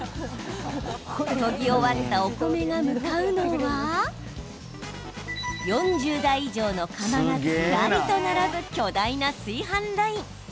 とぎ終わったお米が向かうのは４０台以上の釜がずらりと並ぶ巨大な炊飯ライン。